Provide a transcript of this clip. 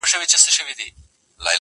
ستا دي قسم په ذوالجلال وي؛